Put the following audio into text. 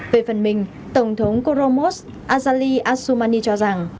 về phần mình tổng thống koromov azali asumani cho rằng